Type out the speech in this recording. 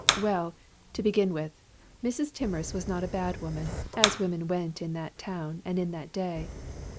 Well, to begin with, Mrs. Timorous was not a bad woman, as women went in that town and in that day.